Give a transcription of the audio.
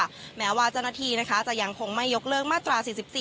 สถานวาจนทีจะยังคงไม่ยกเลิกมาตรา๔๔